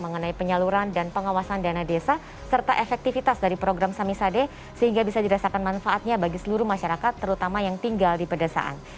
mengenai penyaluran dan pengawasan dana desa serta efektivitas dari program samisade sehingga bisa dirasakan manfaatnya bagi seluruh masyarakat terutama yang tinggal di pedesaan